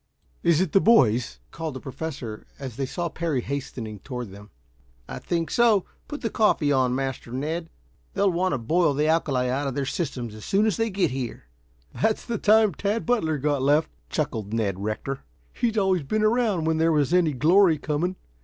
"Is it the boys?" called the Professor, as they saw Parry hastening toward them. "I think so. Put the coffee on, Master Ned. They'll want to boil the alkali out of their systems as soon as they get here." "That's the time Tad Butler got left," chuckled Ned Rector. "He's always been around when there was any glory coming.